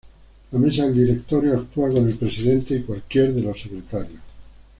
La Mesa del Directorio actúa con el presidente y cualquiera de los secretarios.